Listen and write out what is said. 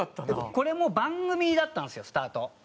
これも番組だったんですよスタート。